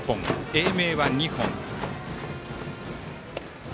英明は２本。